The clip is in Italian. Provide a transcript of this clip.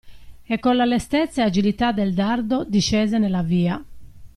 E colla lestezza e agilità del dardo, discese nella via.